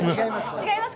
違います